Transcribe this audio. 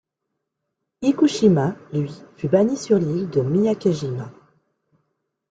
Ikushima, lui, fut banni sur l'île de Miyakejima.